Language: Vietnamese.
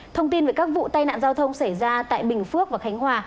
thông tin về các vụ tai nạn giao thông xảy ra tại bình phước và khánh hòa